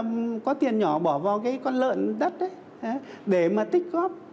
những đồng tiền nhỏ bỏ vào cái con lợn đất ấy để mà tích góp